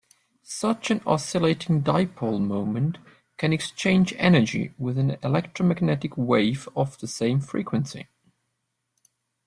Such an oscillating dipole moment can exchange energy with an electromagnetic wave of same frequency.